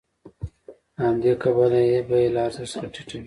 له همدې کبله یې بیه له ارزښت څخه ټیټه وي